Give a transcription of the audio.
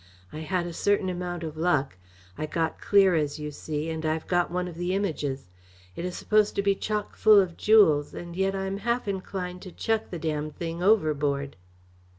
I had a certain amount of luck. I got clear, as you see, and I've got one of the Images. It is supposed to be chock full of jewels, and yet I'm half inclined to chuck the damned thing overboard."